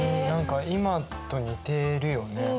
何か今と似てるよね。